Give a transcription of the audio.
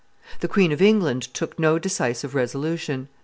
The Queen of England took no decisive resolution.